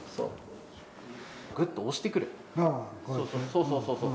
そうそうそうそう。